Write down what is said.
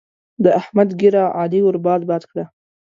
د احمد ږيره؛ علي ور باد باد کړه.